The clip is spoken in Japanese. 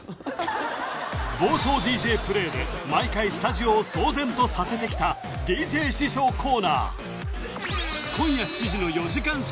暴走ＤＪプレイで毎回スタジオを騒然とさせてきたＤＪ師匠コーナー今夜７時の４時間